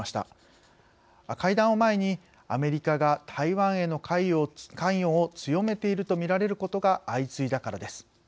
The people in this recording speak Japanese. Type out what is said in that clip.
会談を前にアメリカが台湾への関与を強めているとみられることが相次いだからです。